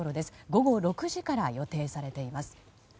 午後６時から予定されています。